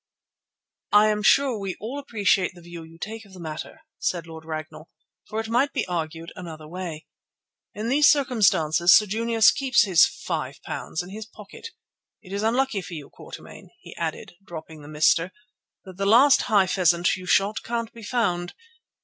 "I am sure we all appreciate the view you take of the matter," said Lord Ragnall, "for it might be argued another way. In these circumstances Sir Junius keeps his £5 in his pocket. It is unlucky for you, Quatermain," he added, dropping the "mister," "that the last high pheasant you shot can't be found.